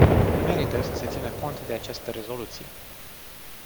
Merită să se țină cont de această rezoluție.